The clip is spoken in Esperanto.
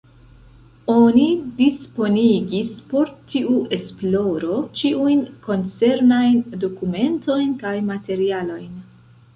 Oni disponigis por tiu esploro ĉiujn koncernajn dokumentojn kaj materialojn.